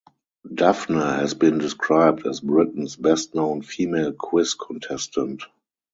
Daphne has been described as "Britain's best-known female quiz contestant".